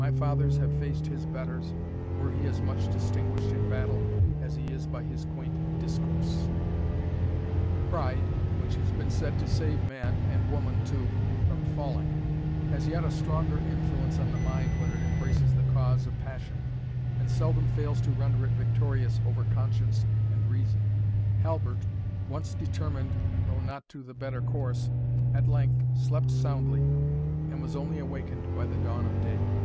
My fathers have faced his betters, were he as much distinguished in battle as he is by his quaint discourse." Pride, which has been said to save man, and woman too, from falling, has yet a stronger influence on the mind when it embraces the cause of passion, and seldom fails to render it victorious over conscience and reason. Halbert, once determined, though not to the better course, at length slept soundly, and was only awakened by the dawn of day.